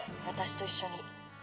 私と一緒に。